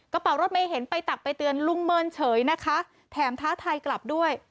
กระเป๋ารถเมย์เห็นไปตักไปเตือนลุงเมินเฉยนะคะแถมท้าทายกลับด้วย